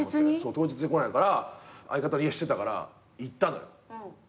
当日に来ないから相方の家知ってたから行ったのよ。